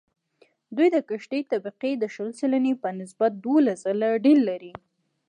دوی د کښتې طبقې د شل سلنې په نسبت دوولس ځله ډېر لري